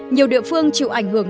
nhiều địa phương chịu ảnh hưởng